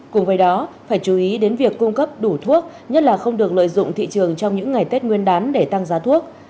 cùng với đó phải chú ý đến việc cung cấp đủ thuốc nhất là không được lợi dụng thị trường trong những ngày tết nguyên đán để tăng giá thuốc